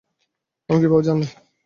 আমি কিভাবে জানলে?